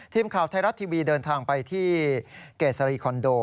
ทีมข่าวไทยรัฐทีวีเดินทางไปที่เกษรีคอนโด